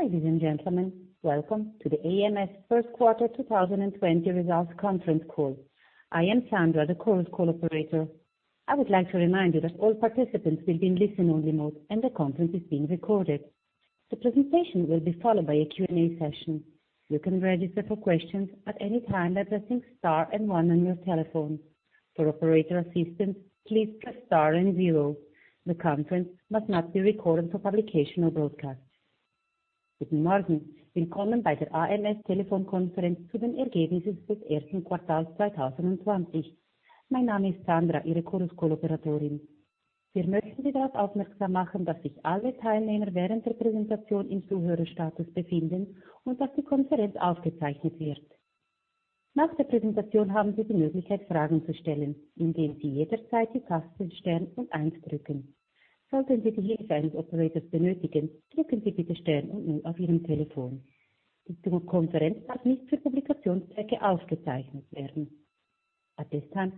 Ladies and gentlemen, welcome to the ams first quarter 2020 results conference call. I am Sandra, the conference call operator. I would like to remind you that all participants will be in listen-only mode, and the conference is being recorded. The presentation will be followed by a Q&A session. You can register for questions at any time by pressing star and one on your telephone. For operator assistance, please press star and zero. The conference must not be recorded for publication or broadcast. At this time,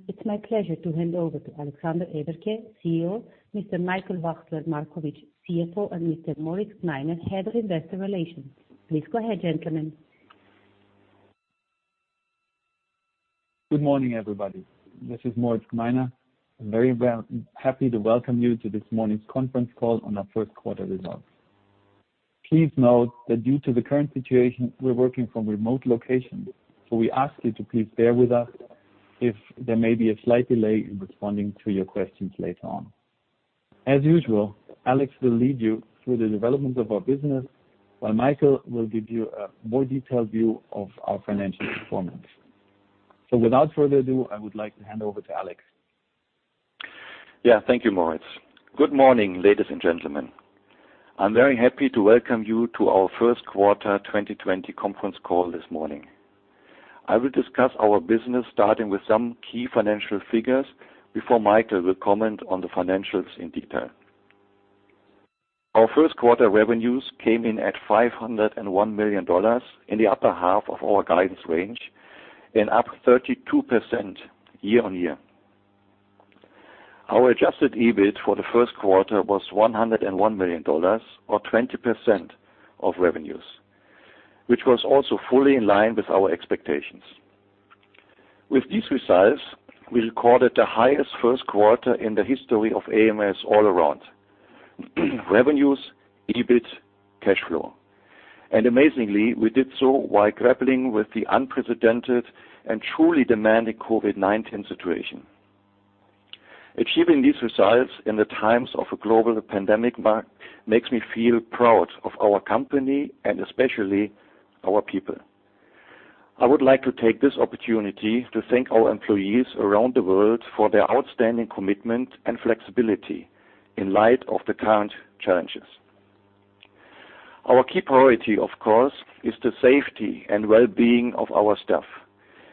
it's my pleasure to hand over to Alexander Everke, CEO, Mr. Michael Wachsler-Markowitsch, CFO, and Mr. Moritz Gmeiner, Head of Investor Relations. Please go ahead, gentlemen. Good morning, everybody. This is Moritz Gmeiner. I am very happy to welcome you to this morning's conference call on our first quarter results. Please note that due to the current situation, we are working from remote locations, so we ask you to please bear with us if there may be a slight delay in responding to your questions later on. As usual, Alex will lead you through the development of our business, while Michael will give you a more detailed view of our financial performance. Without further ado, I would like to hand over to Alex. Thank you, Moritz. Good morning, ladies and gentlemen. I'm very happy to welcome you to our first quarter 2020 conference call this morning. I will discuss our business starting with some key financial figures before Michael will comment on the financials in detail. Our first quarter revenues came in at $501 million in the upper half of our guidance range and up 32% year-on-year. Our adjusted EBIT for the first quarter was $101 million or 20% of revenues, which was also fully in line with our expectations. With these results, we recorded the highest first quarter in the history of ams all around. Revenues, EBIT, cash flow. Amazingly, we did so while grappling with the unprecedented and truly demanding COVID-19 situation. Achieving these results in the times of a global pandemic makes me feel proud of our company and especially our people. I would like to take this opportunity to thank all employees around the world for their outstanding commitment and flexibility in light of the current challenges. Our key priority, of course, is the safety and well-being of our staff,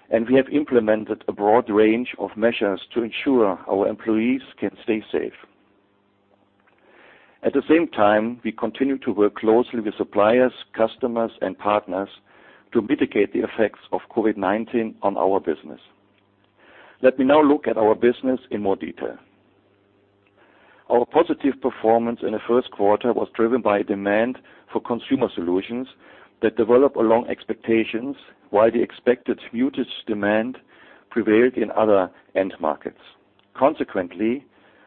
and we have implemented a broad range of measures to ensure our employees can stay safe. At the same time, we continue to work closely with suppliers, customers, and partners to mitigate the effects of COVID-19 on our business. Let me now look at our business in more detail. Our positive performance in the first quarter was driven by demand for consumer solutions that develop along expectations while the expected muted demand prevailed in other end markets. Consequently,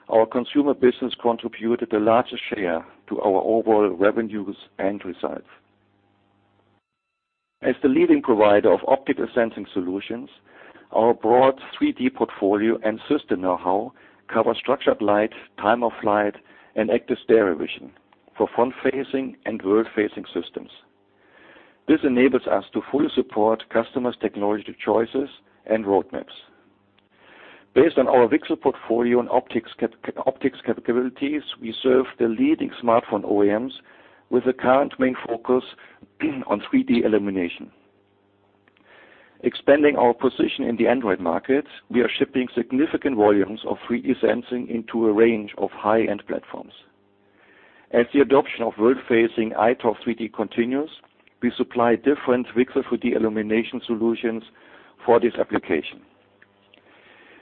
our consumer business contributed the largest share to our overall revenues and results. As the leading provider of optical sensing solutions, our broad 3D portfolio and system know-how cover structured light, time-of-flight, and active stereo vision for front-facing and world-facing systems. This enables us to fully support customers' technology choices and roadmaps. Based on our VCSEL portfolio and optics capabilities, we serve the leading smartphone OEMs with the current main focus on 3D illumination. Expanding our position in the Android market, we are shipping significant volumes of 3D sensing into a range of high-end platforms. As the adoption of world-facing iToF 3D continues, we supply different VCSEL 3D illumination solutions for this application.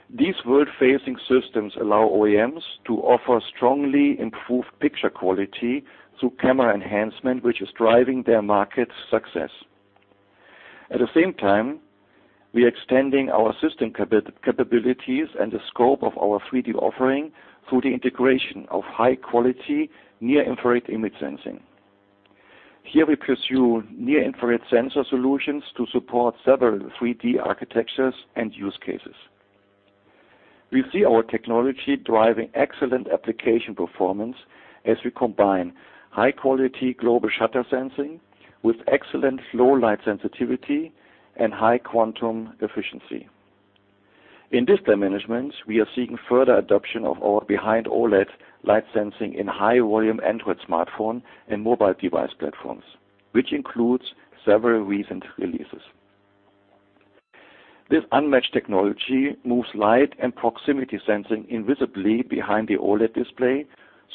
These world-facing systems allow OEMs to offer strongly improved picture quality through camera enhancement, which is driving their market success. At the same time, we are extending our system capabilities and the scope of our 3D offering through the integration of high-quality near-infrared image sensing. Here we pursue near-infrared sensor solutions to support several 3D architectures and use cases. We see our technology driving excellent application performance as we combine high-quality global shutter sensing with excellent low light sensitivity and high quantum efficiency. In display management, we are seeing further adoption of behind OLED light sensing in high volume Android smartphone and mobile device platforms, which includes several recent releases. This unmatched technology moves light and proximity sensing invisibly behind the OLED display,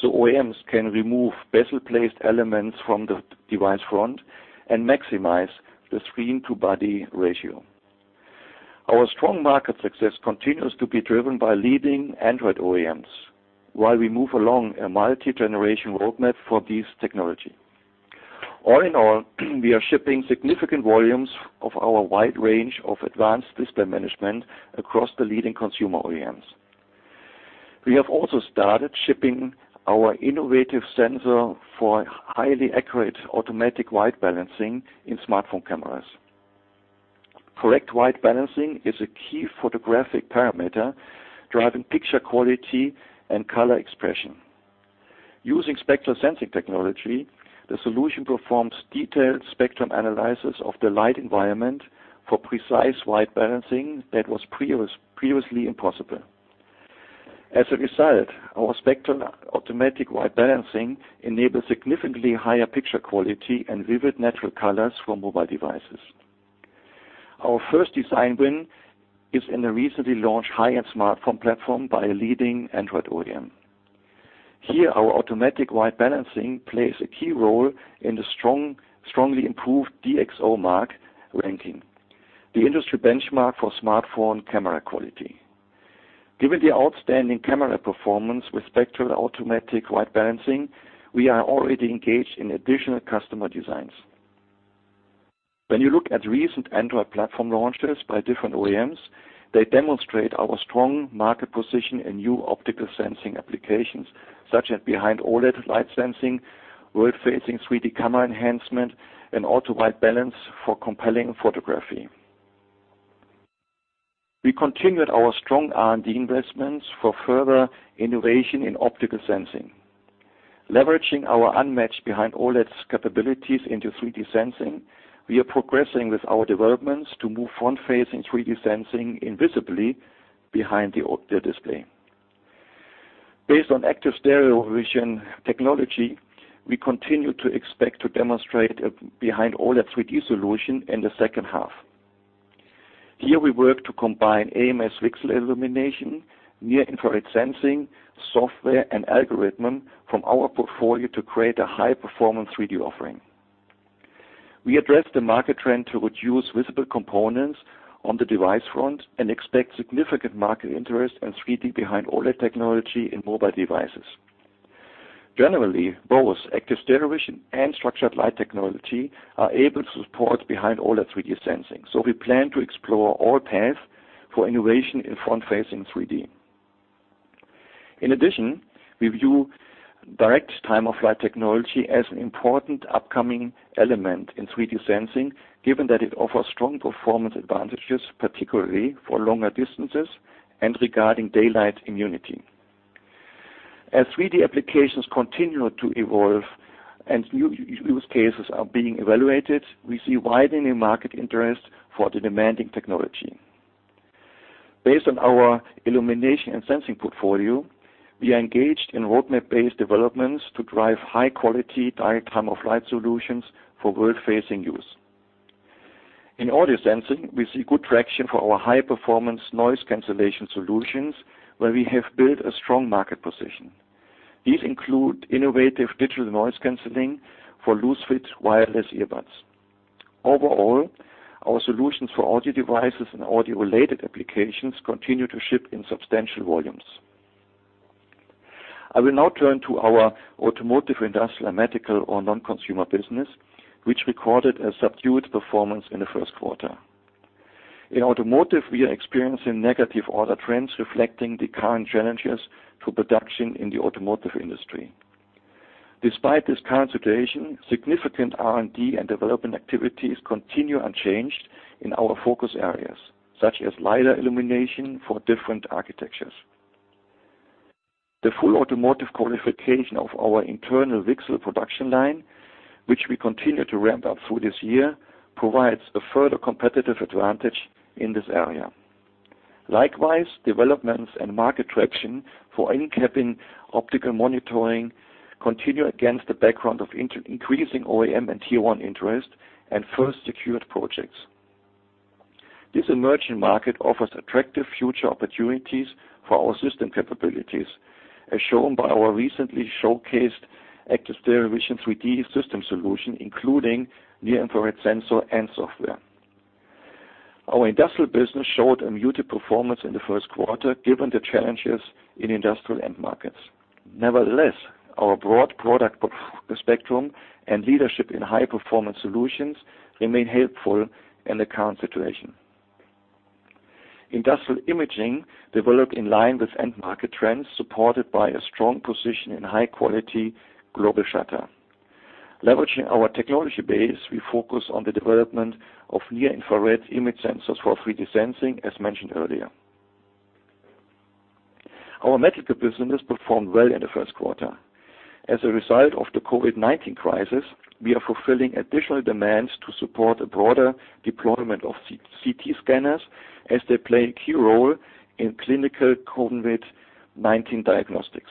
so OEMs can remove bezel-placed elements from the device front and maximize the screen-to-body ratio. Our strong market success continues to be driven by leading Android OEMs while we move along a multi-generation roadmap for this technology. All in all, we are shipping significant volumes of our wide range of advanced display management across the leading consumer OEMs. We have also started shipping our innovative sensor for highly accurate, automatic white balancing in smartphone cameras. Correct white balancing is a key photographic parameter driving picture quality and color expression. Using spectral sensing technology, the solution performs detailed spectrum analysis of the light environment for precise white balancing that was previously impossible. As a result, our spectral automatic white balancing enables significantly higher picture quality and vivid, natural colors for mobile devices. Our first design win is in the recently launched high-end smartphone platform by a leading Android OEM. Here, our automatic white balancing plays a key role in the strongly improved DxOMark ranking, the industry benchmark for smartphone camera quality. Given the outstanding camera performance with spectral automatic white balancing, we are already engaged in additional customer designs. When you look at recent Android platform launches by different OEMs, they demonstrate our strong market position in new optical sensing applications such as behind-OLED light sensing, world-facing 3D camera enhancement, and auto white balance for compelling photography. We continued our strong R&D investments for further innovation in optical sensing. Leveraging our unmatched behind-OLED capabilities into 3D sensing, we are progressing with our developments to move front-facing 3D sensing invisibly behind the display. Based on active stereo vision technology, we continue to expect to demonstrate a behind-OLED 3D solution in the second half. Here, we work to combine ams VCSEL illumination, near-infrared sensing, software, and algorithm from our portfolio to create a high-performance 3D offering. We address the market trend to reduce visible components on the device front and expect significant market interest in 3D behind-OLED technology in mobile devices. Generally, both active stereo vision and structured light technology are able to support behind OLED 3D sensing, we plan to explore all paths for innovation in front-facing 3D. In addition, we view direct time-of-flight technology as an important upcoming element in 3D sensing, given that it offers strong performance advantages, particularly for longer distances and regarding daylight immunity. As 3D applications continue to evolve and new use cases are being evaluated, we see widening market interest for the demanding technology. Based on our illumination and sensing portfolio, we are engaged in roadmap-based developments to drive high-quality direct time-of-flight solutions for world-facing use. In audio sensing, we see good traction for our high-performance noise cancellation solutions, where we have built a strong market position. These include innovative digital noise canceling for loose-fit wireless earbuds. Overall, our solutions for audio devices and audio-related applications continue to ship in substantial volumes. I will now turn to our automotive, industrial, and medical or non-consumer business, which recorded a subdued performance in the first quarter. In automotive, we are experiencing negative order trends reflecting the current challenges to production in the automotive industry. Despite this current situation, significant R&D and development activities continue unchanged in our focus areas, such as LiDAR illumination for different architectures. The full automotive qualification of our internal VCSEL production line, which we continue to ramp up through this year, provides a further competitive advantage in this area. Likewise, developments and market traction for in-cabin optical monitoring continue against the background of increasing OEM and Tier One interest and first secured projects. This emerging market offers attractive future opportunities for our system capabilities, as shown by our recently showcased active stereo vision 3D system solution, including near-infrared sensor and software. Our industrial business showed a muted performance in the first quarter given the challenges in industrial end markets. Nevertheless, our broad product spectrum and leadership in high-performance solutions remain helpful in the current situation. Industrial imaging developed in line with end market trends, supported by a strong position in high-quality global shutter. Leveraging our technology base, we focus on the development of near-infrared image sensors for 3D sensing, as mentioned earlier. Our medical business performed well in the first quarter. As a result of the COVID-19 crisis, we are fulfilling additional demands to support a broader deployment of CT scanners as they play a key role in clinical COVID-19 diagnostics.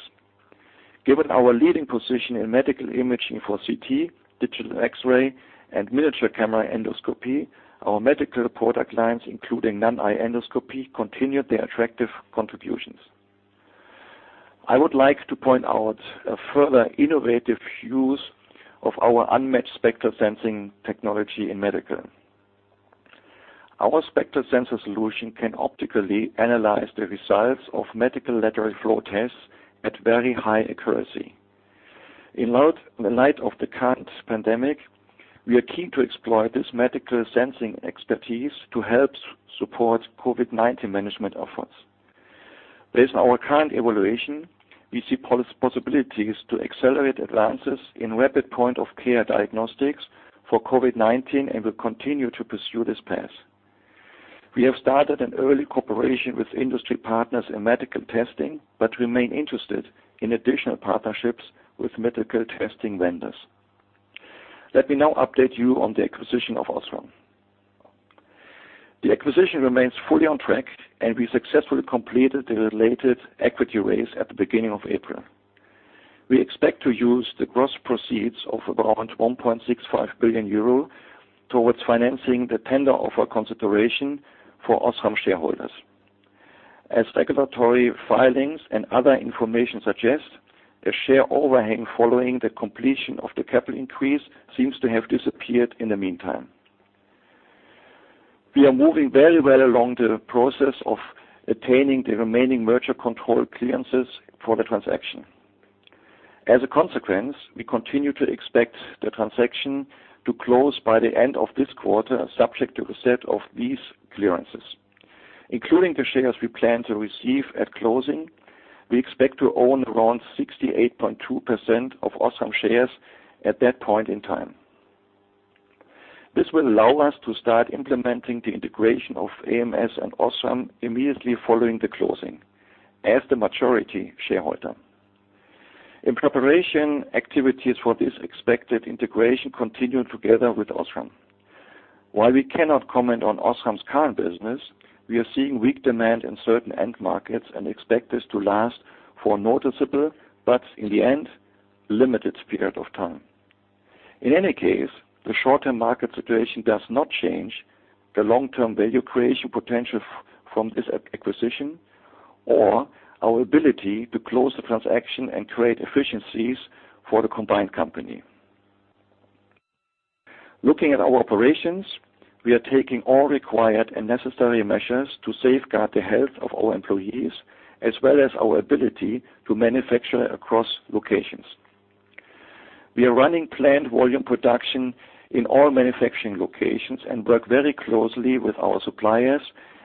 Given our leading position in medical imaging for CT, digital X-ray, and miniature camera endoscopy, our medical product lines, including NanEye endoscopy, continued their attractive contributions. I would like to point out a further innovative use of our unmatched spectral sensing technology in medical. Our spectral sensor solution can optically analyze the results of medical lateral flow tests at very high accuracy. In light of the current pandemic, we are keen to explore this medical sensing expertise to help support COVID-19 management efforts. Based on our current evaluation, we see possibilities to accelerate advances in rapid point-of-care diagnostics for COVID-19 and will continue to pursue this path. We have started an early cooperation with industry partners in medical testing, remain interested in additional partnerships with medical testing vendors. Let me now update you on the acquisition of Osram. The acquisition remains fully on track. We successfully completed the related equity raise at the beginning of April. We expect to use the gross proceeds of around 1.65 billion euro towards financing the tender offer consideration for Osram shareholders. As regulatory filings and other information suggest, the share overhang following the completion of the capital increase seems to have disappeared in the meantime. We are moving very well along the process of attaining the remaining merger control clearances for the transaction. As a consequence, we continue to expect the transaction to close by the end of this quarter, subject to receipt of these clearances. Including the shares we plan to receive at closing, we expect to own around 68.2% of Osram shares at that point in time. This will allow us to start implementing the integration of ams and Osram immediately following the closing as the majority shareholder. In preparation, activities for this expected integration continue together with Osram. While we cannot comment on Osram's current business, we are seeing weak demand in certain end markets and expect this to last for a noticeable, but in the end, limited period of time. In any case, the short-term market situation does not change the long-term value creation potential from this acquisition or our ability to close the transaction and create efficiencies for the combined company. Looking at our operations, we are taking all required and necessary measures to safeguard the health of our employees, as well as our ability to manufacture across locations. We are running planned volume production in all manufacturing locations and work very closely with our suppliers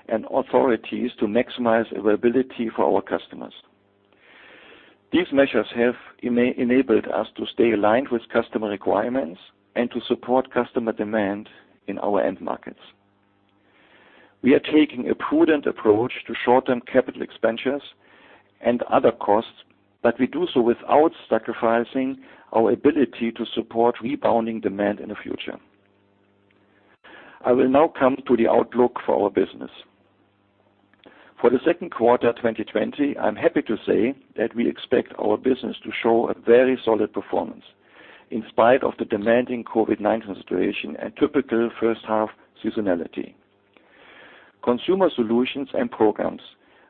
and authorities to maximize availability for our customers. These measures have enabled us to stay aligned with customer requirements and to support customer demand in our end markets. We are taking a prudent approach to short-term capital expenditures and other costs, we do so without sacrificing our ability to support rebounding demand in the future. I will now come to the outlook for our business. For the second quarter 2020, I am happy to say that we expect our business to show a very solid performance in spite of the demanding COVID-19 situation and typical first half seasonality. Consumer solutions and programs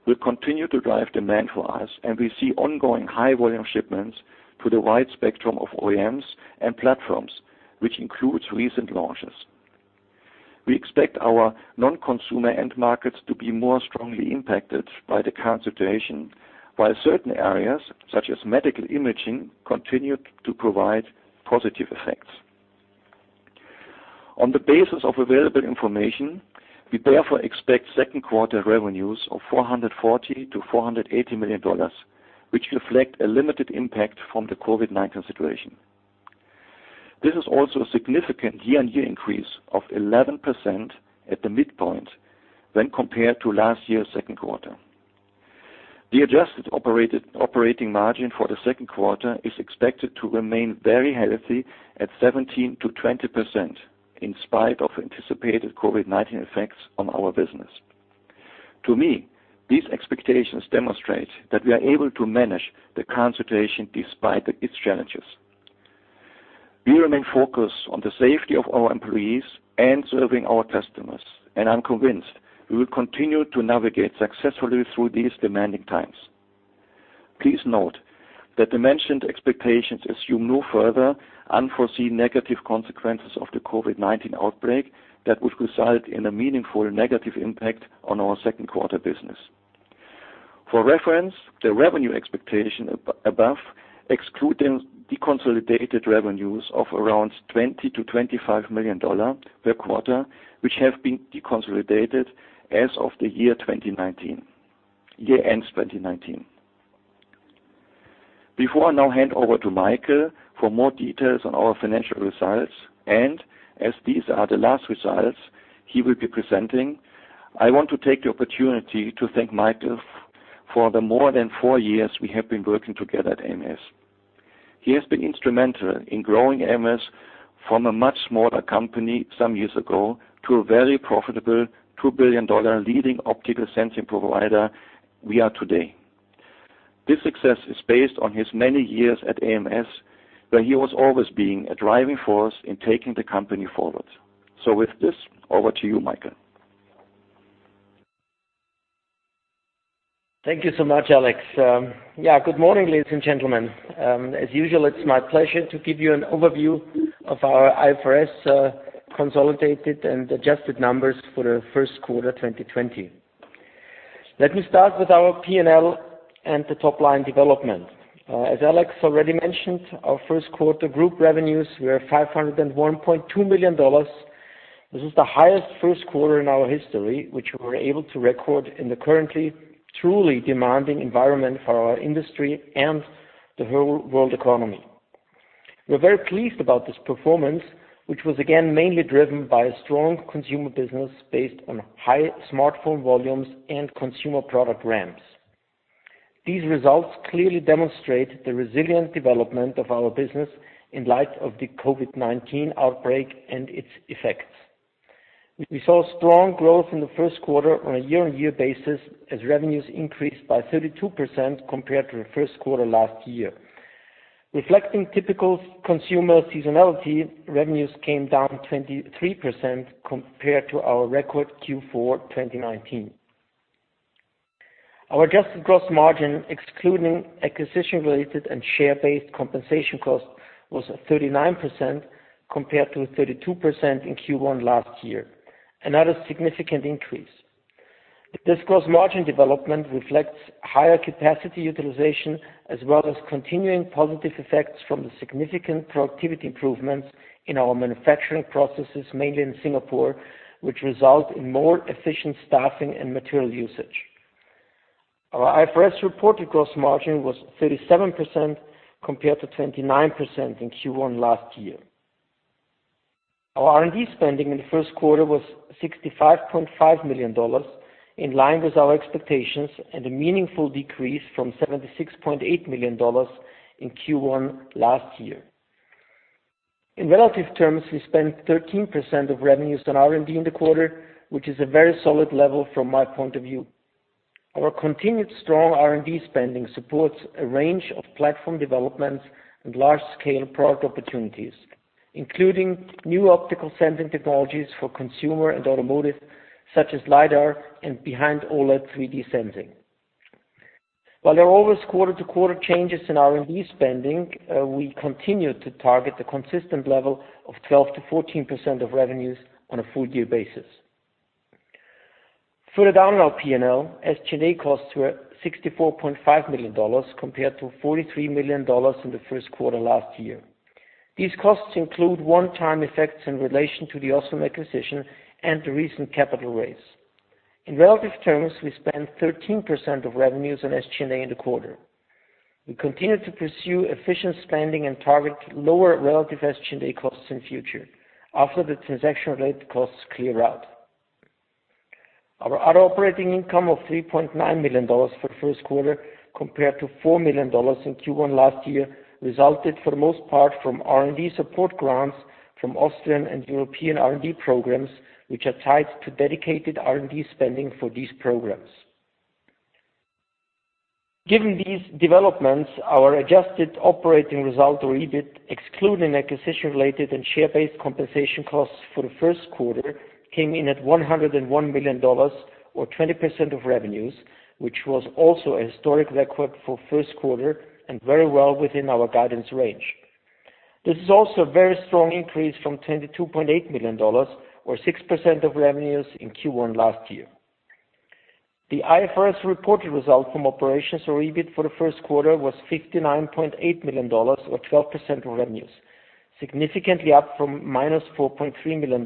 will continue to drive demand for us, we see ongoing high volume shipments to the wide spectrum of OEMs and platforms, which includes recent launches. We expect our non-consumer end markets to be more strongly impacted by the current situation, while certain areas, such as medical imaging, continue to provide positive effects. On the basis of available information, we therefore expect second quarter revenues of $440 million-$480 million, which reflect a limited impact from the COVID-19 situation. This is also a significant year-on-year increase of 11% at the midpoint when compared to last year's second quarter. The adjusted operating margin for the second quarter is expected to remain very healthy at 17% to 20% in spite of anticipated COVID-19 effects on our business. To me, these expectations demonstrate that we are able to manage the current situation despite its challenges. We remain focused on the safety of our employees and serving our customers, and I am convinced we will continue to navigate successfully through these demanding times. Please note that the mentioned expectations assume no further unforeseen negative consequences of the COVID-19 outbreak that would result in a meaningful negative impact on our second quarter business. For reference, the revenue expectation above excludes deconsolidated revenues of around 20 million to EUR 25 million per quarter, which have been deconsolidated as of the year 2019. Year-ends 2019. Before I now hand over to Michael for more details on our financial results, and as these are the last results he will be presenting, I want to take the opportunity to thank Michael for the more than four years we have been working together at ams. He has been instrumental in growing ams from a much smaller company some years ago to a very profitable EUR 2 billion leading optical sensing provider we are today. This success is based on his many years at ams, where he was always being a driving force in taking the company forward. With this, over to you, Michael. Thank you so much, Alex. Good morning, ladies and gentlemen. As usual, it is my pleasure to give you an overview of our IFRS consolidated and adjusted numbers for the first quarter 2020. Let me start with our P&L and the top-line development. As Alex already mentioned, our first quarter group revenues were $501.2 million. This is the highest first quarter in our history, which we were able to record in the currently truly demanding environment for our industry and the whole world economy. We are very pleased about this performance, which was again mainly driven by a strong consumer business based on high smartphone volumes and consumer product ramps. These results clearly demonstrate the resilient development of our business in light of the COVID-19 outbreak and its effects. We saw strong growth in the first quarter on a year-on-year basis as revenues increased by 32% compared to the first quarter last year. Reflecting typical consumer seasonality, revenues came down 23% compared to our record Q4 2019. Our adjusted gross margin, excluding acquisition-related and share-based compensation costs, was 39% compared to 32% in Q1 last year. Another significant increase. This gross margin development reflects higher capacity utilization as well as continuing positive effects from the significant productivity improvements in our manufacturing processes, mainly in Singapore, which result in more efficient staffing and material usage. Our IFRS reported gross margin was 37% compared to 29% in Q1 last year. Our R&D spending in the first quarter was EUR 65.5 million, in line with our expectations and a meaningful decrease from EUR 76.8 million in Q1 last year. In relative terms, we spent 13% of revenues on R&D in the quarter, which is a very solid level from my point of view. Our continued strong R&D spending supports a range of platform developments and large-scale product opportunities, including new optical sensing technologies for consumer and automotive, such as Lidar and behind OLED 3D sensing. While there are always quarter-to-quarter changes in R&D spending, we continue to target the consistent level of 12% to 14% of revenues on a full-year basis. Further down our P&L, SG&A costs were EUR 64.5 million compared to EUR 43 million in the first quarter last year. These costs include one-time effects in relation to the Osram acquisition and the recent capital raise. In relative terms, we spent 13% of revenues on SG&A in the quarter. We continue to pursue efficient spending and target lower relative SG&A costs in future after the transaction-related costs clear out. Our other operating income of $3.9 million for the first quarter compared to $4 million in Q1 last year resulted for the most part from R&D support grants from Austrian and European R&D programs, which are tied to dedicated R&D spending for these programs. Given these developments, our adjusted operating result or EBIT, excluding acquisition-related and share-based compensation costs for the first quarter, came in at $101 million or 20% of revenues, which was also a historic record for first quarter and very well within our guidance range. This is also a very strong increase from $22.8 million or 6% of revenues in Q1 last year. The IFRS reported result from operations or EBIT for the first quarter was $59.8 million or 12% of revenues, significantly up from -$4.3 million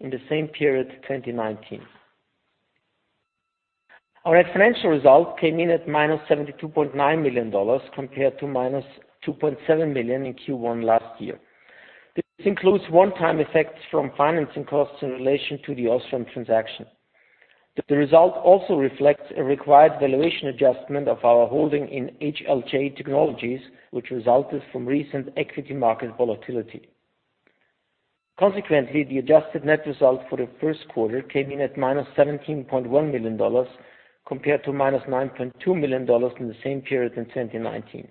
in the same period 2019. Our financial result came in at EUR -72.9 million compared to -2.7 million in Q1 last year. This includes one-time effects from financing costs in relation to the Osram transaction. The result also reflects a required valuation adjustment of our holding in HLJ Technology, which resulted from recent equity market volatility. Consequently, the adjusted net result for the first quarter came in at EUR -17.1 million compared to EUR -9.2 million in the same period in 2019.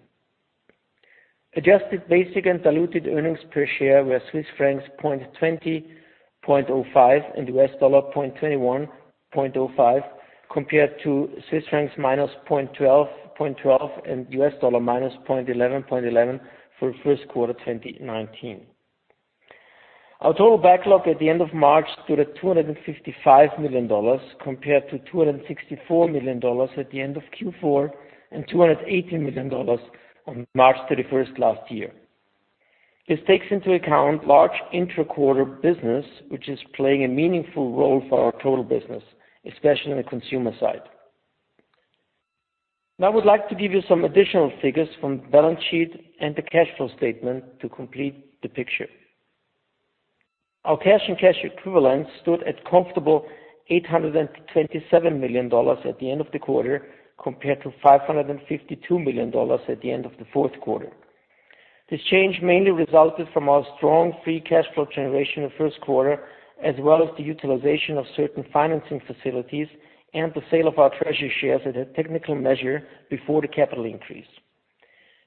Adjusted basic and diluted earnings per share were Swiss francs 0.20/0.05 and $0.21/0.05 compared to -0.12 Swiss francs/0.12 and -$0.11/0.11 for the first quarter 2019. Our total backlog at the end of March stood at EUR 255 million compared to EUR 264 million at the end of Q4 and EUR 218 million on March 31st last year. This takes into account large intra-quarter business, which is playing a meaningful role for our total business, especially on the consumer side. I would like to give you some additional figures from the balance sheet and the cash flow statement to complete the picture. Our cash and cash equivalents stood at a comfortable $827 million at the end of the quarter, compared to $552 million at the end of the fourth quarter. This change mainly resulted from our strong free cash flow generation in the first quarter, as well as the utilization of certain financing facilities and the sale of our treasury shares as a technical measure before the capital increase.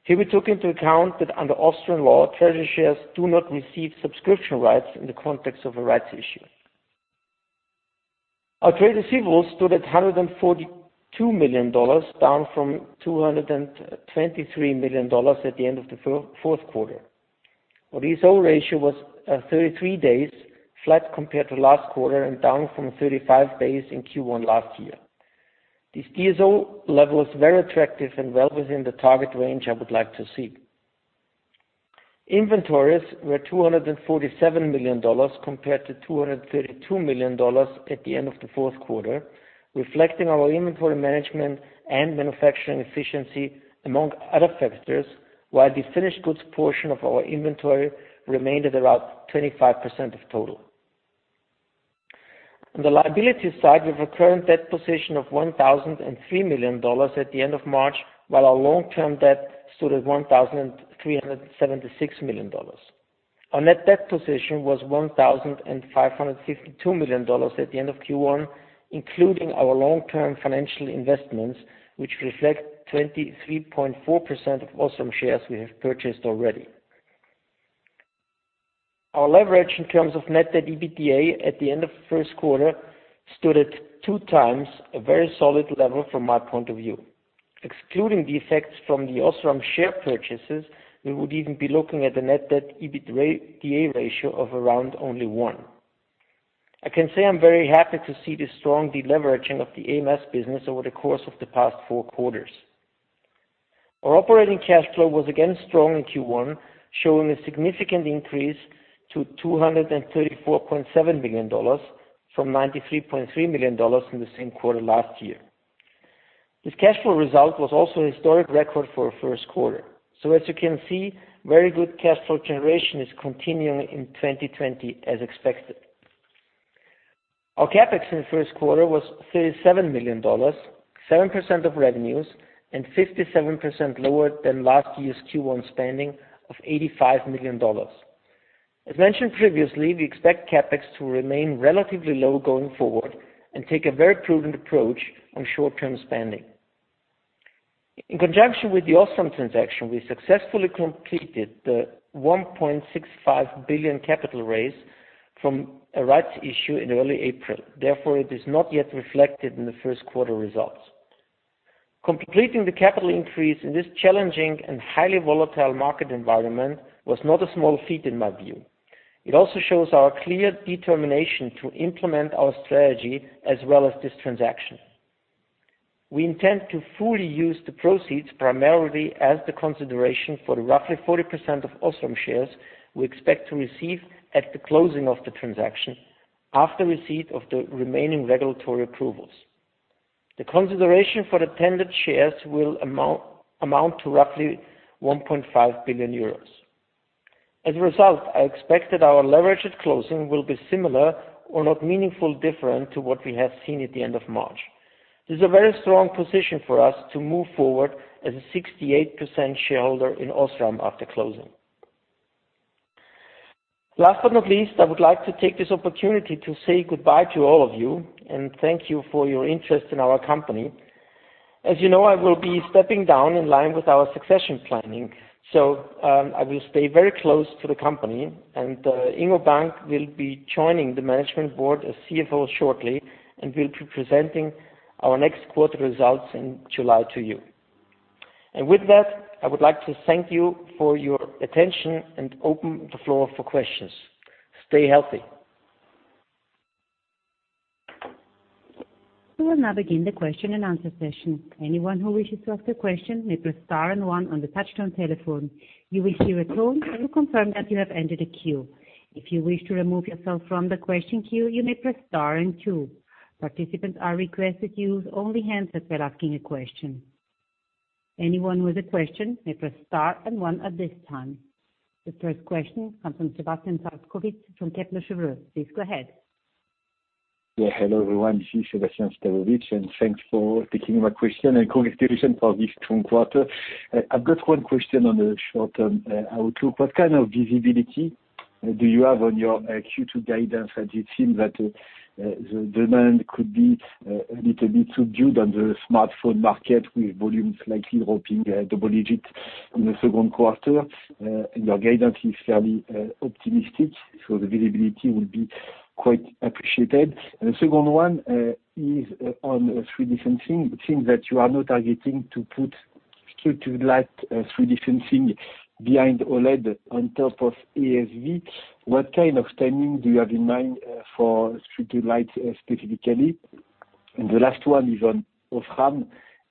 Here we took into account that under Austrian law, treasury shares do not receive subscription rights in the context of a rights issue. Our trade receivables stood at $142 million, down from $223 million at the end of the fourth quarter. Our DSO ratio was 33 days, flat compared to last quarter, and down from 35 days in Q1 last year. This DSO level is very attractive and well within the target range I would like to see. Inventories were $247 million, compared to $232 million at the end of the fourth quarter, reflecting our inventory management and manufacturing efficiency among other factors, while the finished goods portion of our inventory remained at about 25% of total. On the liability side, we have a current debt position of $1,003 million at the end of March, while our long-term debt stood at $1,376 million. Our net debt position was $1,552 million at the end of Q1, including our long-term financial investments, which reflect 23.4% of Osram shares we have purchased already. Our leverage in terms of net debt EBITDA at the end of the first quarter stood at two times, a very solid level from my point of view. Excluding the effects from the Osram share purchases, we would even be looking at the net debt EBITDA ratio of around only one. I can say I'm very happy to see the strong deleveraging of the ams business over the course of the past four quarters. Our operating cash flow was again strong in Q1, showing a significant increase to EUR 234.7 million from EUR 93.3 million in the same quarter last year. This cash flow result was also a historic record for a first quarter. As you can see, very good cash flow generation is continuing in 2020 as expected. Our CapEx in the first quarter was EUR 37 million, 7% of revenues and 57% lower than last year's Q1 spending of EUR 85 million. As mentioned previously, we expect CapEx to remain relatively low going forward and take a very prudent approach on short-term spending. In conjunction with the Osram transaction, we successfully completed the 1.65 billion capital raise from a rights issue in early April. Therefore, it is not yet reflected in the first quarter results. Completing the capital increase in this challenging and highly volatile market environment was not a small feat in my view. It also shows our clear determination to implement our strategy as well as this transaction. We intend to fully use the proceeds primarily as the consideration for the roughly 40% of Osram shares we expect to receive at the closing of the transaction after receipt of the remaining regulatory approvals. The consideration for the tendered shares will amount to roughly 1.5 billion euros. I expect that our leverage at closing will be similar or not meaningfully different to what we have seen at the end of March. This is a very strong position for us to move forward as a 68% shareholder in Osram after closing. I would like to take this opportunity to say goodbye to all of you and thank you for your interest in our company. As you know, I will be stepping down in line with our succession planning. I will stay very close to the company, and Ingo Bank will be joining the management board as CFO shortly and will be presenting our next quarter results in July to you. I would like to thank you for your attention and open the floor for questions. Stay healthy. We will now begin the question and answer session. Anyone who wishes to ask a question may press star and one on the touch-tone telephone. You will hear a tone to confirm that you have entered a queue. If you wish to remove yourself from the question queue, you may press star and two. Participants are requested to use only handsets while asking a question. Anyone with a question may press star and one at this time. The first question comes from Sebastien Sztabowicz from Kepler Cheuvreux. Please go ahead. Hello, everyone. This is Sebastien Sztabowicz, thanks for taking my question and congratulations on this strong quarter. I've got one question on the short-term outlook. What kind of visibility do you have on your Q2 guidance as it seems that the demand could be a little bit subdued on the smartphone market, with volumes likely dropping double digits in the second quarter? Your guidance is fairly optimistic, the visibility would be quite appreciated. The second one is on 3D sensing. It seems that you are now targeting to put structured light 3D sensing behind OLED on top of ASV. What kind of timing do you have in mind for structured light specifically? The last one is on Osram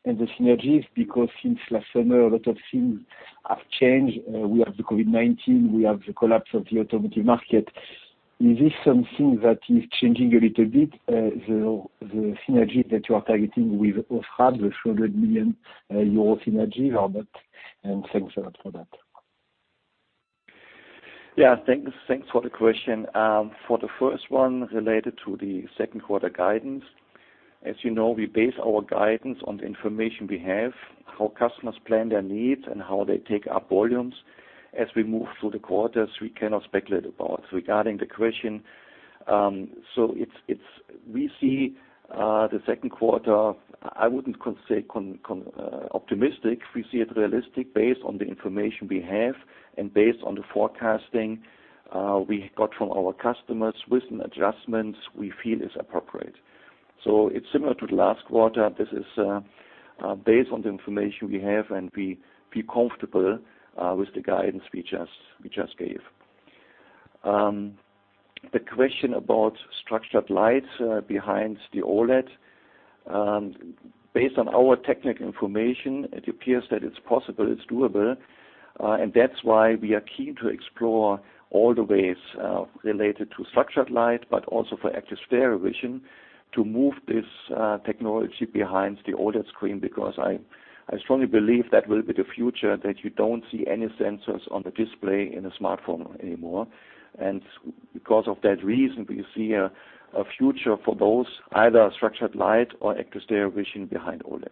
and the synergies, because since last summer, a lot of things have changed. We have the COVID-19, we have the collapse of the automotive market. Is this something that is changing a little bit, the synergy that you are targeting with Osram, the 300 million euro synergy, Robert? Thanks a lot for that. Yeah. Thanks for the question. For the first one related to the second quarter guidance, as you know, we base our guidance on the information we have, how customers plan their needs, and how they take up volumes As we move through the quarters, we cannot speculate about regarding the question. We see the second quarter, I wouldn't say optimistic. We see it realistic based on the information we have and based on the forecasting we got from our customers with an adjustment we feel is appropriate. It's similar to the last quarter. This is based on the information we have, and we feel comfortable with the guidance we just gave. The question about structured light behind the OLED. Based on our technical information, it appears that it's possible, it's doable, and that's why we are keen to explore all the ways related to structured light, but also for active stereo vision to move this technology behind the OLED screen. I strongly believe that will be the future, that you don't see any sensors on the display in a smartphone anymore. Because of that reason, we see a future for those either structured light or active stereo vision behind OLED.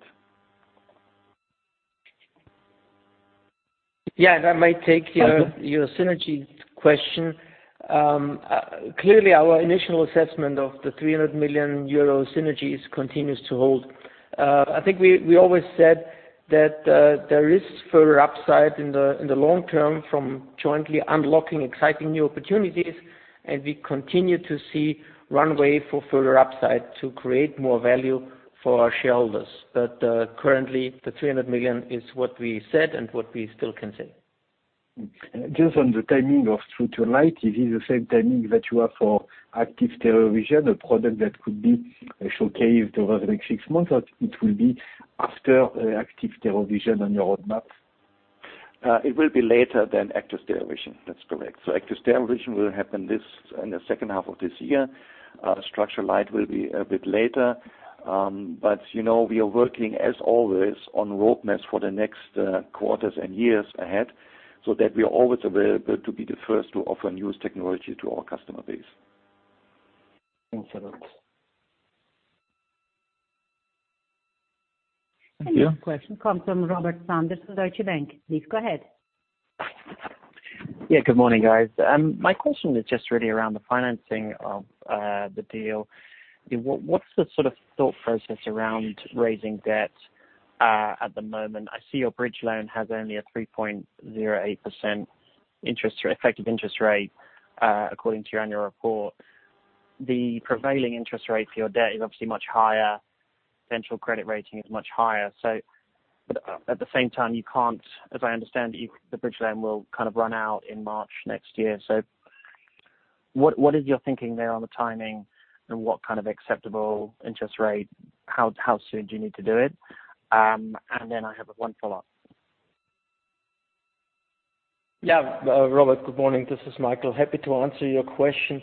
I might take your synergy question. Clearly, our initial assessment of the 300 million euro synergies continues to hold. I think we always said that there is further upside in the long term from jointly unlocking exciting new opportunities. We continue to see runway for further upside to create more value for our shareholders. Currently, the 300 million is what we said and what we still can say. Just on the timing of through to light, is it the same timing that you have for active stereo vision, a product that could be showcased over the next six months, or it will be after active stereo vision on your roadmap? It will be later than active stereo vision. That's correct. Active stereo vision will happen in the second half of this year. Structured light will be a bit later. We are working as always on roadmap for the next quarters and years ahead so that we are always available to be the first to offer newest technology to our customer base. Thanks a lot. Thank you. Another question comes from Robert Sanders with Deutsche Bank. Please go ahead. Yeah, good morning, guys. My question is just really around the financing of the deal. What's the sort of thought process around raising debt at the moment? I see your bridge loan has only a 3.08% effective interest rate, according to your annual report. The prevailing interest rate for your debt is obviously much higher. Central credit rating is much higher. At the same time, as I understand, the bridge loan will kind of run out in March next year. What is your thinking there on the timing and what kind of acceptable interest rate? How soon do you need to do it? I have one follow-up. Robert, good morning. This is Michael. Happy to answer your question.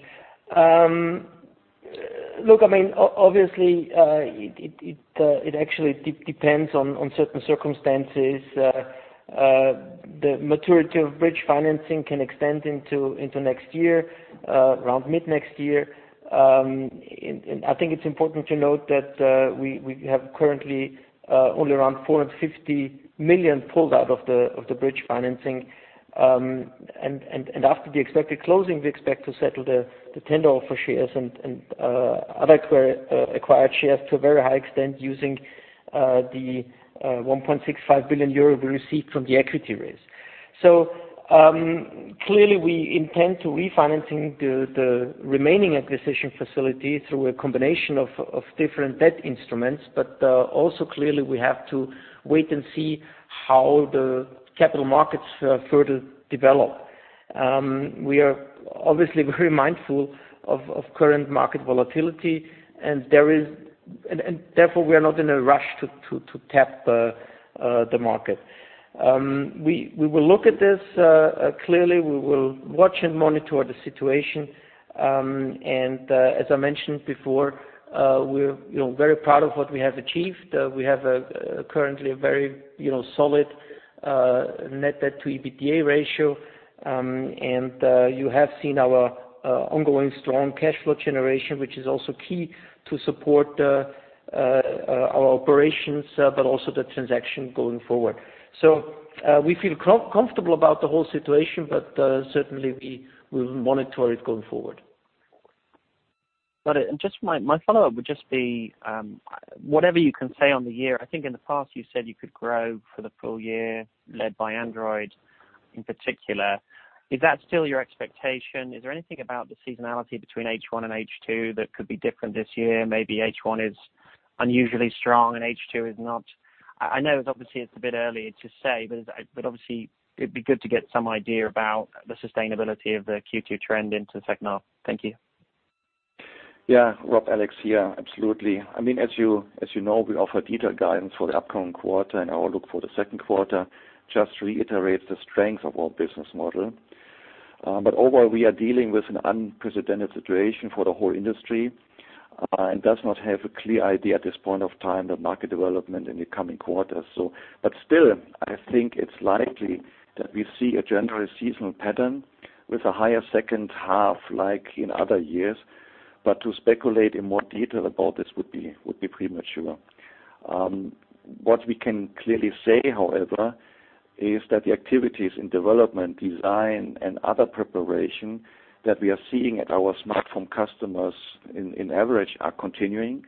Look, obviously, it actually depends on certain circumstances. The maturity of bridge financing can extend into next year, around mid next year. I think it's important to note that we have currently only around 450 million pulled out of the bridge financing. After the expected closing, we expect to settle the tender offer shares and other acquired shares to a very high extent using the 1.65 billion euro we received from the equity raise. Clearly, we intend to refinancing the remaining acquisition facility through a combination of different debt instruments. Also clearly, we have to wait and see how the capital markets further develop. We are obviously very mindful of current market volatility, and therefore, we are not in a rush to tap the market. We will look at this. Clearly, we will watch and monitor the situation. As I mentioned before, we're very proud of what we have achieved. We have currently a very solid net debt to EBITDA ratio. You have seen our ongoing strong cash flow generation, which is also key to support our operations, but also the transaction going forward. We feel comfortable about the whole situation, but certainly, we will monitor it going forward. Got it. My follow-up would just be whatever you can say on the year. I think in the past you said you could grow for the full year led by Android in particular. Is that still your expectation? Is there anything about the seasonality between H1 and H2 that could be different this year? Maybe H1 is unusually strong and H2 is not. I know obviously it's a bit early to say, but obviously it'd be good to get some idea about the sustainability of the Q2 trend into second half. Thank you. Yeah. Robert, Alexander here. Absolutely. As you know, we offer detailed guidance for the upcoming quarter, and our outlook for the second quarter just reiterates the strength of our business model. Overall, we are dealing with an unprecedented situation for the whole industry and does not have a clear idea at this point of time the market development in the coming quarters. Still, I think it's likely that we see a general seasonal pattern with a higher second half like in other years. To speculate in more detail about this would be premature. What we can clearly say, however, is that the activities in development, design, and other preparation that we are seeing at our smartphone customers on average are continuing.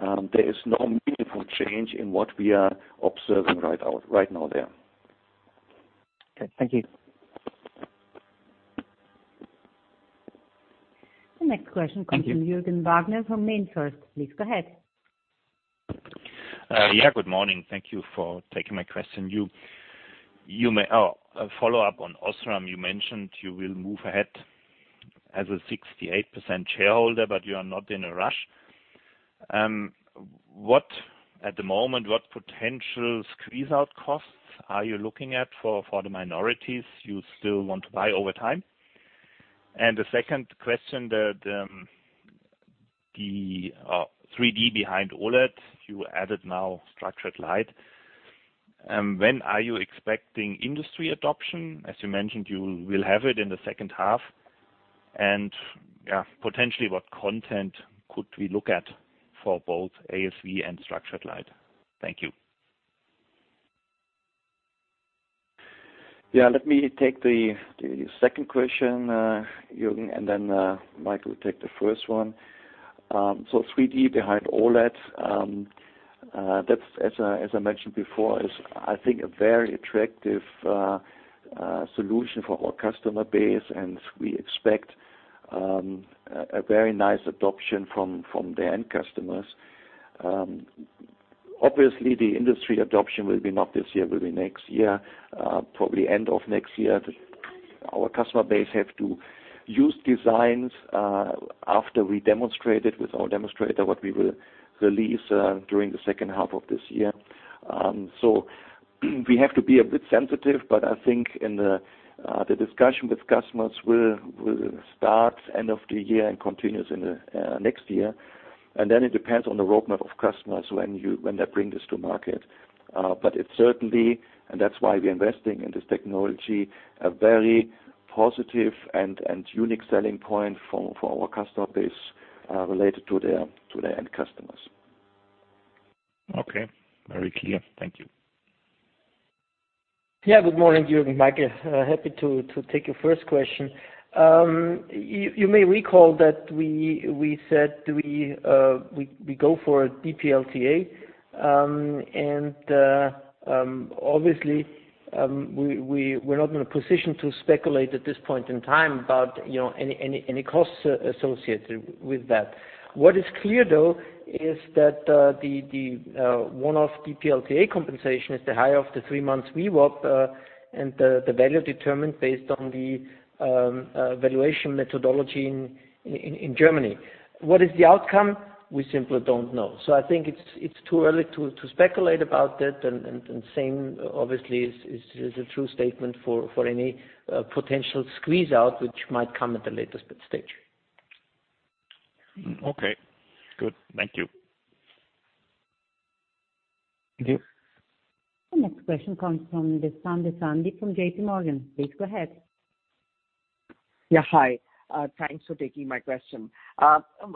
There is no meaningful change in what we are observing right now there. Okay. Thank you. The next question comes from Jürgen Wagner from MainFirst. Please go ahead. Good morning. Thank you for taking my question. A follow-up on Osram. You mentioned you will move ahead as a 68% shareholder, but you are not in a rush. At the moment, what potential squeeze-out costs are you looking at for the minorities you still want to buy over time? The second question, the 3D behind OLED, you added now structured light. When are you expecting industry adoption? As you mentioned, you will have it in the second half. Potentially, what content could we look at for both ASV and structured light? Thank you. Yeah. Let me take the second question, Jürgen. Michael will take the first one. 3D behind OLED, that's, as I mentioned before, I think a very attractive solution for our customer base. We expect a very nice adoption from the end customers. Obviously, the industry adoption will be not this year, it will be next year, probably end of next year. Our customer base have to use designs after we demonstrate it with our demonstrator what we will release during the second half of this year. We have to be a bit sensitive. I think the discussion with customers will start end of the year and continue into next year. It depends on the roadmap of customers when they bring this to market. It's certainly, and that's why we're investing in this technology, a very positive and unique selling point for our customer base related to their end customers. Okay. Very clear. Thank you. Yeah, good morning, Jürgen, Michael. Happy to take your first question. You may recall that we said we go for a DPLTA, and obviously, we're not in a position to speculate at this point in time about any costs associated with that. What is clear, though, is that the one-off DPLTA compensation is the higher of the three months VWAP and the value determined based on the valuation methodology in Germany. What is the outcome? We simply don't know. I think it's too early to speculate about that, and same, obviously, is a true statement for any potential squeeze-out which might come at a later stage. Okay, good. Thank you. Thank you. The next question comes from Sandeep Deshpande from JPMorgan. Please go ahead. Yeah, hi. Thanks for taking my question.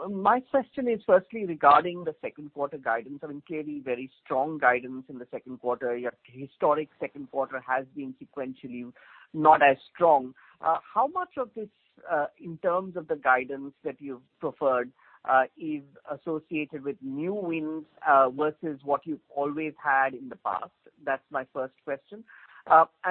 My question is firstly regarding the second quarter guidance. I mean, clearly very strong guidance in the second quarter. Your historic second quarter has been sequentially not as strong. How much of this, in terms of the guidance that you've preferred, is associated with new wins versus what you've always had in the past? That's my first question.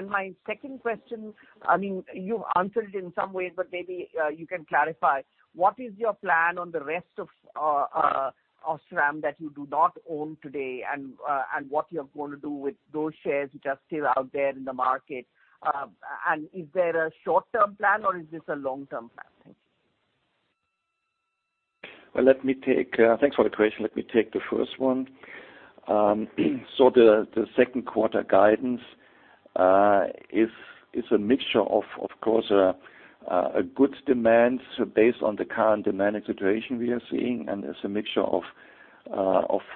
My second question, I mean, you've answered it in some ways, but maybe you can clarify. What is your plan on the rest of Osram that you do not own today, and what you're going to do with those shares which are still out there in the market? Is there a short-term plan, or is this a long-term plan? Thank you. Thanks for the question. Let me take the first one. The second quarter guidance is a mixture, of course, a good demand based on the current demand situation we are seeing, and it's a mixture of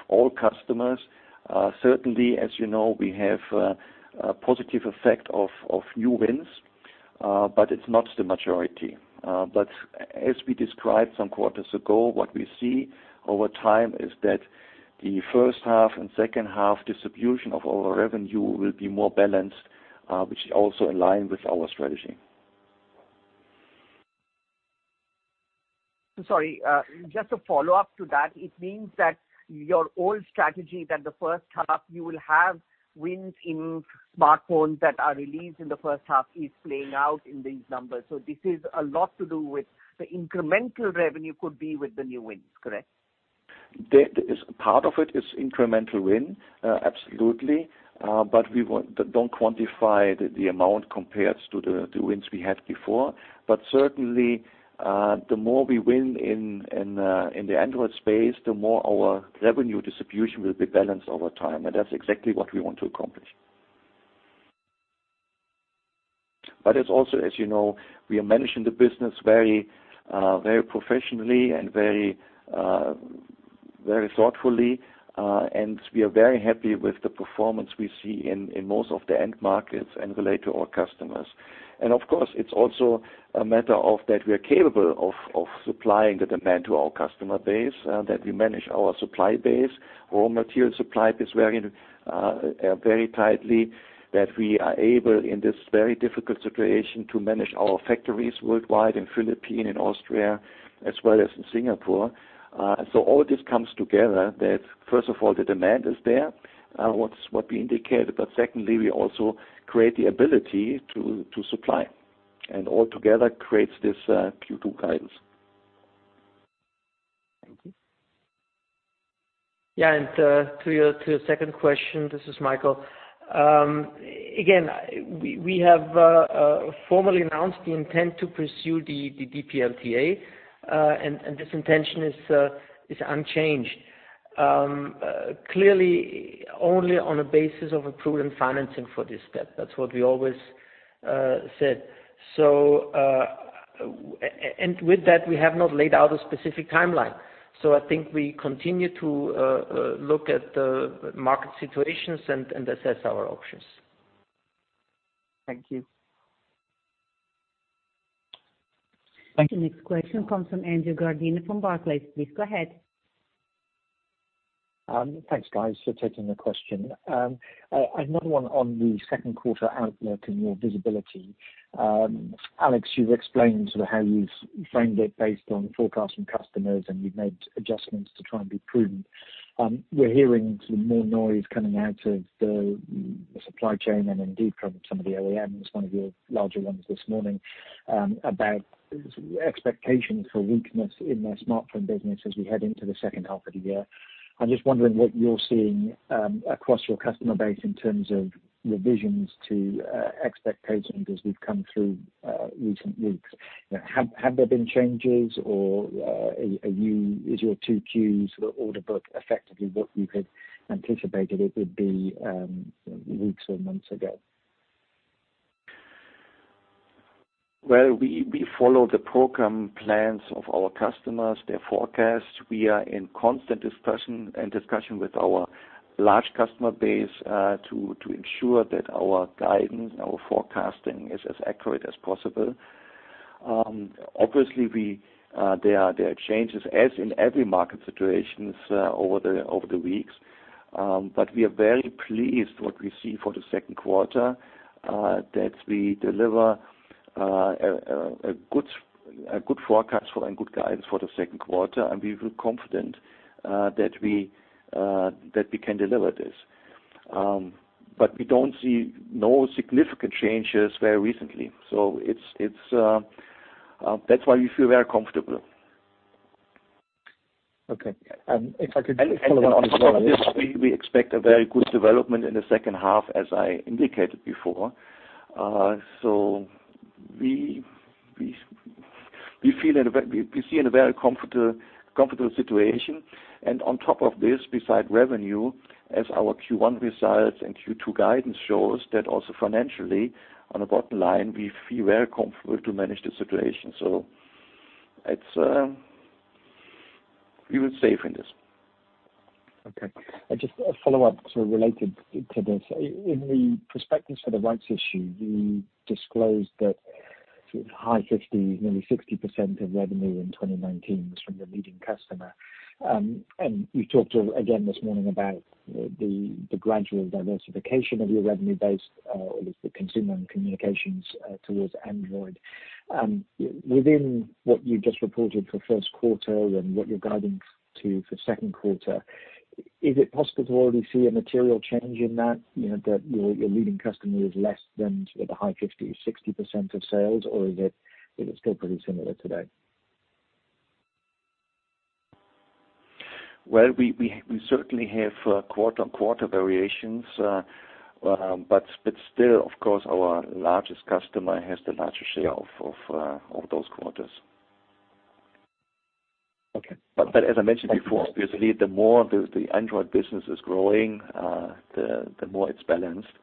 all customers. Certainly, as you know, we have a positive effect of new wins, but it's not the majority. As we described some quarters ago, what we see over time is that the first half and second half distribution of our revenue will be more balanced, which is also in line with our strategy. Sorry, just a follow-up to that. It means that your old strategy that the first half you will have wins in smartphones that are released in the first half is playing out in these numbers. This is a lot to do with the incremental revenue could be with the new wins, correct? Part of it is incremental win, absolutely. We don't quantify the amount compared to the wins we had before. Certainly, the more we win in the Android space, the more our revenue distribution will be balanced over time, and that's exactly what we want to accomplish. It's also, as you know, we are managing the business very professionally and very thoughtfully, and we are very happy with the performance we see in most of the end markets and relate to our customers. Of course, it's also a matter of that we are capable of supplying the demand to our customer base, that we manage our supply base, raw material supply base very tightly. That we are able, in this very difficult situation, to manage our factories worldwide, in Philippines and Austria, as well as in Singapore. All this comes together that, first of all, the demand is there, what we indicated, but secondly, we also create the ability to supply. All together creates this Q2 guidance. Thank you. To your second question, this is Michael. Again, we have formally announced the intent to pursue the DPLTA, and this intention is unchanged. Clearly, only on a basis of approved financing for this step. That's what we always said. With that, we have not laid out a specific timeline. I think we continue to look at the market situations and assess our options. Thank you. Thank you. The next question comes from Andrew Gardiner from Barclays. Please go ahead. Thanks, guys, for taking the question. Another one on the second quarter outlook and your visibility. Alex, you've explained how you've framed it based on forecasting customers, and you've made adjustments to try and be prudent. We're hearing more noise coming out of the supply chain and indeed from some of the OEMs, one of your larger ones this morning, about expectations for weakness in their smartphone business as we head into the second half of the year. I'm just wondering what you're seeing across your customer base in terms of revisions to expectations as we've come through recent weeks. Have there been changes, or is your 2Q order book effectively what you had anticipated it would be weeks or months ago? Well, we follow the program plans of our customers, their forecasts. We are in constant discussion with our large customer base to ensure that our guidance, our forecasting is as accurate as possible. Obviously, there are changes, as in every market situations over the weeks. We are very pleased what we see for the second quarter, that we deliver a good forecast and good guidance for the second quarter, and we feel confident that we can deliver this. We don't see no significant changes very recently. That's why we feel very comfortable. Okay. if I could follow on- On top of this, we expect a very good development in the second half, as I indicated before. We see in a very comfortable situation. On top of this, beside revenue, as our Q1 results and Q2 guidance shows that also financially, on the bottom line, we feel very comfortable to manage the situation. We will save in this. Okay. Just a follow-up related to this. In the prospectus for the rights issue, you disclosed that high 50, nearly 60% of revenue in 2019 was from your leading customer. You talked again this morning about the gradual diversification of your revenue base, at least the consumer and communications towards Android. Within what you just reported for first quarter and what you're guiding to for second quarter, is it possible to already see a material change in that? That your leading customer is less than the high 50 or 60% of sales, or is it still pretty similar today? Well, we certainly have quarter on quarter variations. Still, of course, our largest customer has the larger share. Yeah of those quarters. Okay. As I mentioned before. Thank you. obviously, the more the Android business is growing, the more it's balanced.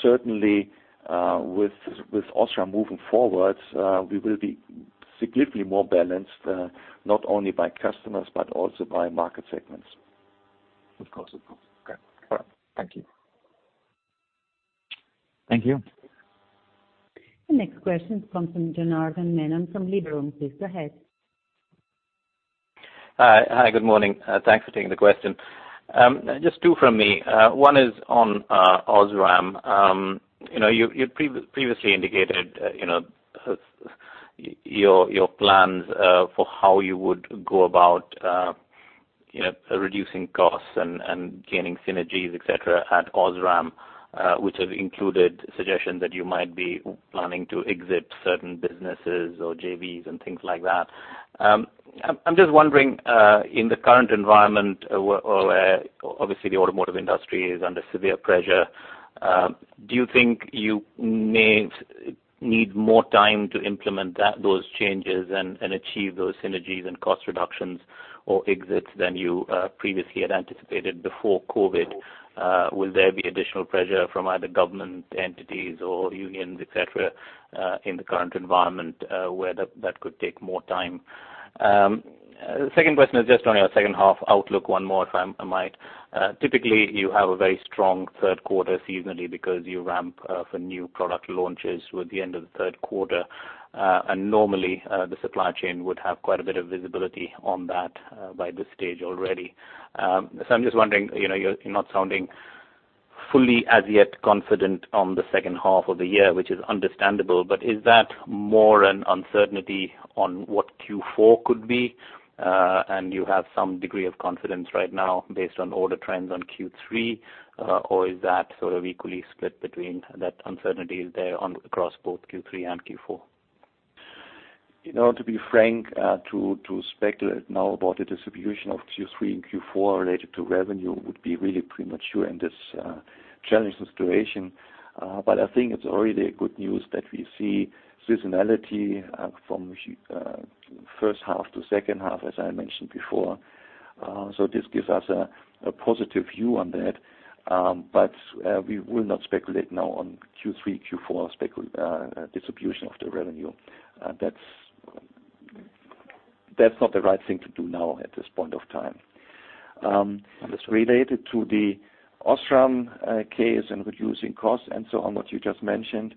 Certainly, with Osram moving forward, we will be significantly more balanced, not only by customers, but also by market segments. Of course. Okay. All right. Thank you. Thank you. The next question comes from Janardan Menon from Liberum. Please go ahead. Hi. Good morning. Thanks for taking the question. Just two from me. One is on Osram. You previously indicated your plans for how you would go about reducing costs and gaining synergies, et cetera, at Osram, which have included suggestions that you might be planning to exit certain businesses or JVs and things like that. I'm just wondering, in the current environment, where obviously the automotive industry is under severe pressure, do you think you may need more time to implement those changes and achieve those synergies and cost reductions or exits than you previously had anticipated before COVID? Will there be additional pressure from either government entities or unions, et cetera, in the current environment where that could take more time? The second question is just on your second half outlook, one more, if I might. Typically, you have a very strong third quarter seasonally because you ramp for new product launches with the end of the third quarter. Normally, the supply chain would have quite a bit of visibility on that by this stage already. I'm just wondering, you're not sounding fully, as yet, confident on the second half of the year, which is understandable, but is that more an uncertainty on what Q4 could be, and you have some degree of confidence right now based on order trends on Q3? Is that sort of equally split between that uncertainty is there across both Q3 and Q4? To be frank, to speculate now about the distribution of Q3 and Q4 related to revenue would be really premature in this challenging situation. I think it's already good news that we see seasonality from first half to second half, as I mentioned before. This gives us a positive view on that. We will not speculate now on Q3, Q4 distribution of the revenue. That's not the right thing to do now at this point of time. This related to the Osram case and reducing costs and so on what you just mentioned.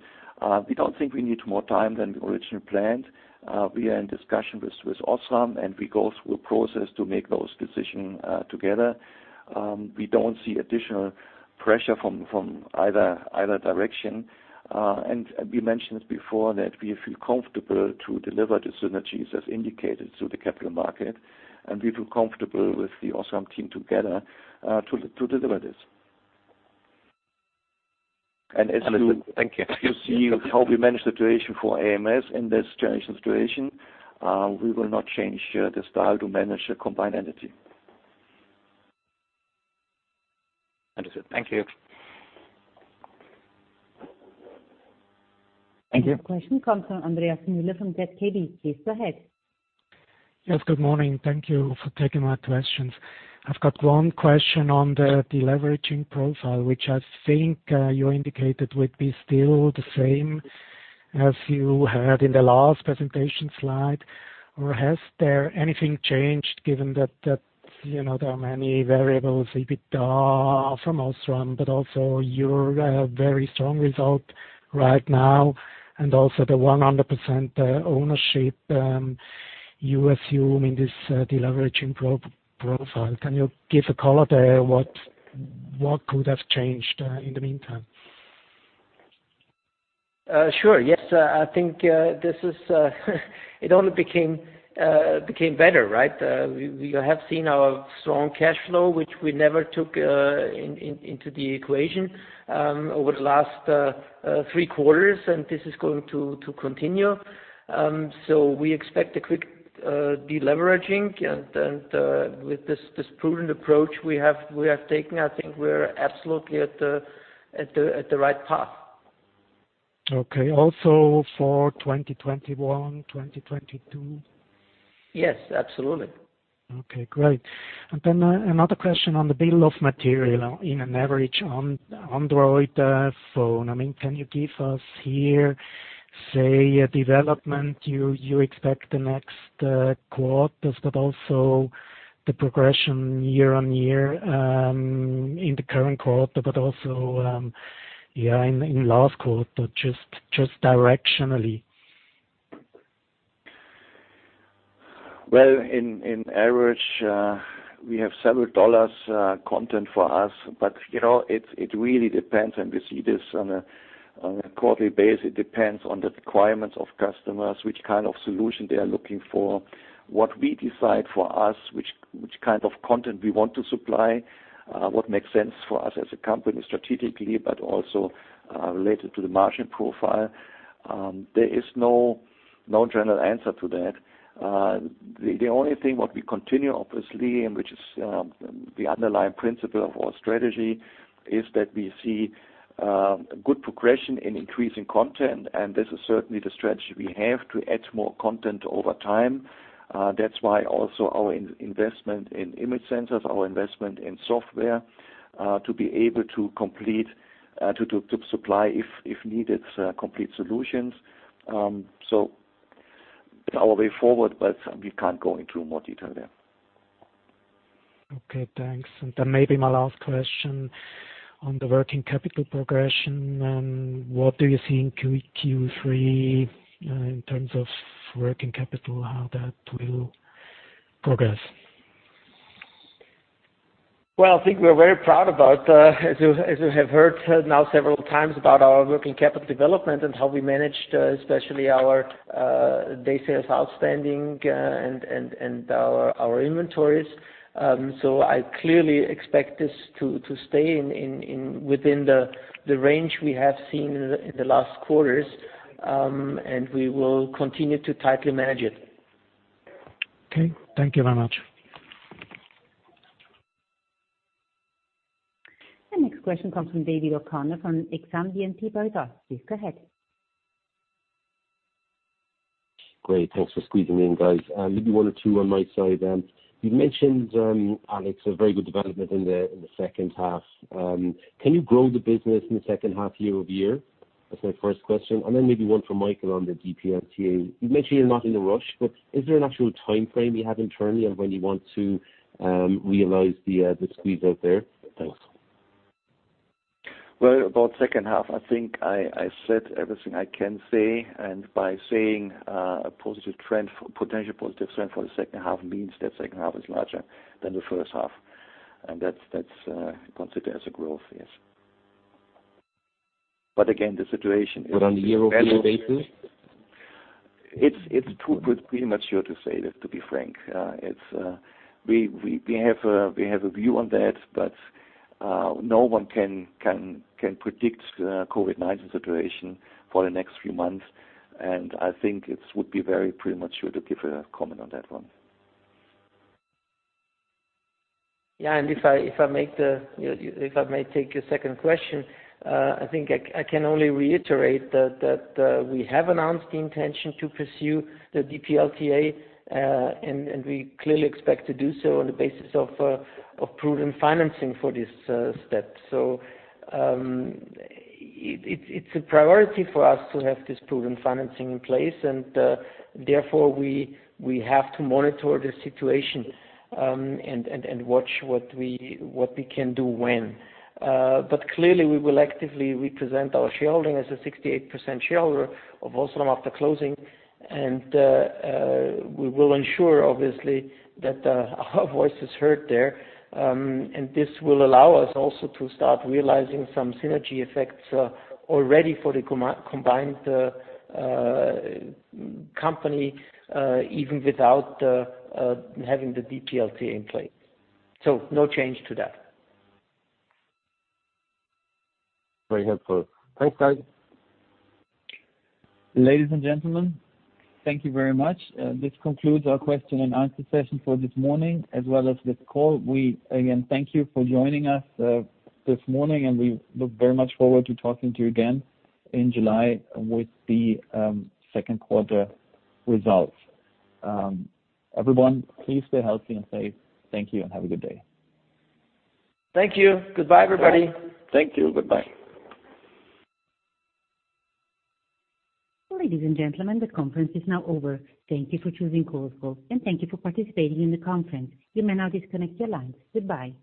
We don't think we need more time than we originally planned. We are in discussion with Osram, and we go through a process to make those decisions together. We don't see additional pressure from either direction. We mentioned before that we feel comfortable to deliver the synergies as indicated to the capital market, and we feel comfortable with the Osram team together, to deliver this. Understood. Thank you. As you see how we manage the situation for ams in this challenging situation, we will not change the style to manage the combined entity. Understood. Thank you. Thank you. The next question comes from Andreas Müller from Jefferies. Please go ahead. Yes, good morning. Thank you for taking my questions. I've got one question on the deleveraging profile, which I think you indicated would be still the same as you had in the last presentation slide. Has there anything changed given that there are many variables, EBITDA from Osram, but also your very strong result right now, and also the 100% ownership you assume in this deleveraging profile? Can you give a color there? What could have changed in the meantime? Sure. Yes. I think it only became better, right? We have seen our strong cash flow, which we never took into the equation, over the last three quarters, and this is going to continue. We expect a quick deleveraging, and with this prudent approach we have taken, I think we're absolutely at the right path. Okay. Also for 2021, 2022? Yes, absolutely. Okay, great. Another question on the bill of materials in an average Android phone. Can you give us here, say, a development you expect the next quarters, but also the progression year-on-year, in the current quarter, but also in last quarter, just directionally? Well, in average, we have several dollars content for us. It really depends, and we see this on a quarterly basis. It depends on the requirements of customers, which kind of solution they are looking for. What we decide for us, which kind of content we want to supply, what makes sense for us as a company strategically, but also related to the margin profile. There is no general answer to that. The only thing what we continue, obviously, and which is the underlying principle of our strategy is that we see good progression in increasing content, and this is certainly the strategy we have to add more content over time. That's why also our investment in image sensors, our investment in software, to be able to supply if needed, complete solutions. It's our way forward, but we can't go into more detail there. Okay, thanks. Maybe my last question on the working capital progression. What do you see in Q3 in terms of working capital? How that will progress? Well, I think we're very proud about, as you have heard now several times, about our working capital development and how we managed, especially our day sales outstanding and our inventories. I clearly expect this to stay within the range we have seen in the last quarters, and we will continue to tightly manage it. Okay. Thank you very much. The next question comes from David O'Connor from Exane BNP Paribas. Please go ahead. Great. Thanks for squeezing me in, guys. Maybe one or two on my side. You've mentioned, Alex, a very good development in the second half. Can you grow the business in the second half year-over-year? That's my first question. Maybe one for Michael on the DPLTA. You mentioned you're not in a rush, is there an actual timeframe you have internally on when you want to realize the squeeze-out there? Thanks. Well, about second half, I think I said everything I can say. By saying a potential positive trend for the second half means that second half is larger than the first half, that's considered as a growth. Yes. Again, the situation is. On a year-over-year basis? It's pretty mature to say that, to be frank. We have a view on that, but no one can predict COVID-19 situation for the next few months, and I think it would be very premature to give a comment on that one. Yeah, if I may take your second question, I think I can only reiterate that we have announced the intention to pursue the DPLTA, and we clearly expect to do so on the basis of proven financing for this step. It's a priority for us to have this proven financing in place and, therefore, we have to monitor the situation, and watch what we can do when. Clearly we will actively represent our shareholding as a 68% shareholder of Osram after closing, and we will ensure obviously that our voice is heard there. This will allow us also to start realizing some synergy effects already for the combined company, even without having the DPLTA in place. No change to that. Very helpful. Thanks, guys. Ladies and gentlemen, thank you very much. This concludes our question and answer session for this morning, as well as this call. We, again, thank you for joining us this morning, and we look very much forward to talking to you again in July with the second quarter results. Everyone, please stay healthy and safe. Thank you and have a good day. Thank you. Goodbye everybody. Thank you. Goodbye. Ladies and gentlemen, the conference is now over. Thank you for choosing Chorus Call, and thank you for participating in the conference. You may now disconnect your lines. Goodbye.